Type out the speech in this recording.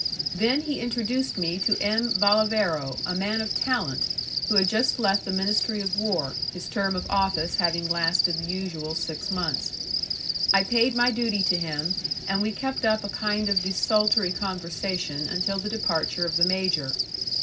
Then he introduced me to M. Valavero, a man of talent, who had just left the ministry of war, his term of office having lasted the usual six months. I paid my duty to him, and we kept up a kind of desultory conversation until the departure of the major.